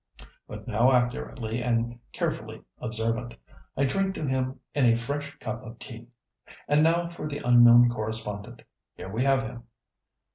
But now accurately and carefully observant. I drink to him in a fresh cup of tea. "And now for the unknown correspondent. Here we have him."